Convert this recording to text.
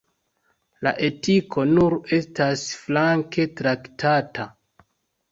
La etiko nur estas flanke traktata.